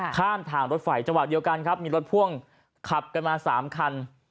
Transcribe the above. ข้ามทางรถไฟจังหวะเดียวกันครับมีรถพ่วงขับกันมา๓คัน